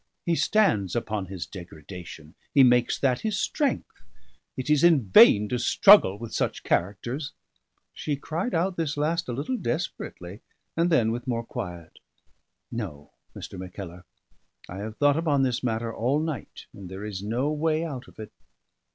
He stands upon his degradation, he makes that his strength; it is in vain to struggle with such characters." She cried out this last a little desperately, and then with more quiet: "No, Mr. Mackellar; I have thought upon this matter all night, and there is no way out of it.